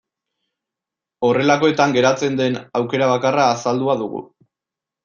Horrelakoetan geratzen den aukera bakarra azaldua dugu.